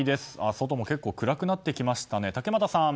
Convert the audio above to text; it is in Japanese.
外も結構暗くなってきましたね。